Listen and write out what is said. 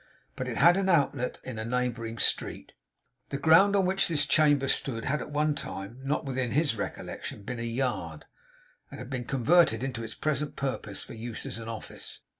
But it had an outlet in a neighbouring street. The ground on which this chamber stood had, at one time, not within his recollection, been a yard; and had been converted to its present purpose for use as an office.